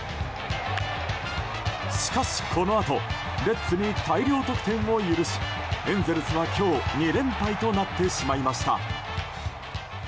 しかし、このあとレッズに大量得点を許しエンゼルスは今日２連敗となってしまいました。